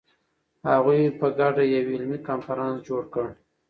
هغوی په ګډه یو علمي کنفرانس جوړ کړ.